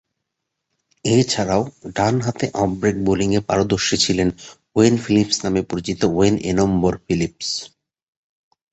এছাড়াও, ডানহাতে off break বোলিংয়ে পারদর্শী ছিলেন ওয়েন ফিলিপস নামে পরিচিত ওয়েন এনম্বর ফিলিপস।